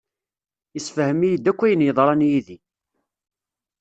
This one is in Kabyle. Yessefhem-iyi-d akk ayen yeḍran yid-i.